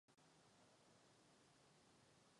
V totalitní politice bylo všechno naplánované a vypočítané.